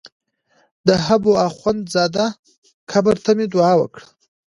د حبو اخند زاده قبر ته مې دعا وکړه.